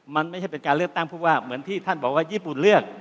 มันไม่ใช่เป็นการเลือกตั้งผู้ว่าเหมือนที่ท่านบอกว่าญี่ปุ่นเลือก